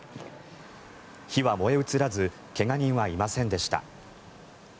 火は燃え移らず怪我人はいませんでした。